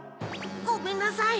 ごめんなさい。